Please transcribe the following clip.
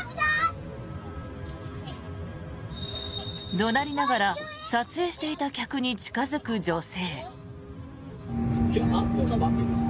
怒鳴りながら撮影していた客に近付く女性。